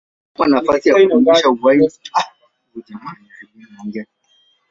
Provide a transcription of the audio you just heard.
Hapa nafasi ya kudumisha uhai inategemea na halijoto ya maji.